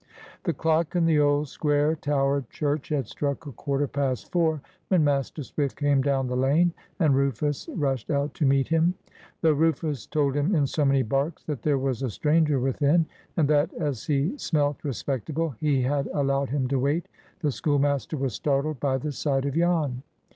The clock in the old square towered church had struck a quarter past four when Master Swift came down the lane, and Rufus rushed out to meet him. Though Rufus told him in so many barks that there was a stranger within, and that, as he smelt respectable, he had allowed him to wait, the schoolmaster was startled by the sight of Jan.